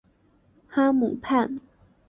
哈姆畔。